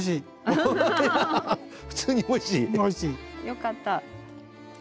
よかった。